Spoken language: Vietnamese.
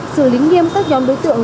xử lý nghiêm các nhóm đối tượng